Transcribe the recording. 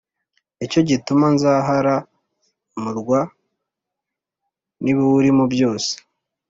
ni cyo gituma nzahara umurwa n’ibiwurimo byose.